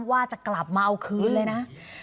ว่าจะกลับมาเอาคืนเลยนะ